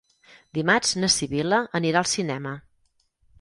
Dimarts na Sibil·la anirà al cinema.